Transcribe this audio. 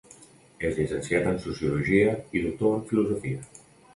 És llicenciat en sociologia i doctor en filosofia.